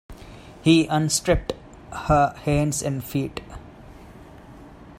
He unstrapped her hands and feet.